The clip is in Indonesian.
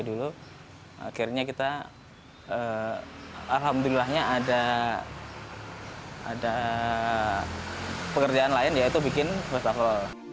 jadi dulu akhirnya kita alhamdulillahnya ada pekerjaan lain yaitu bikin wastafel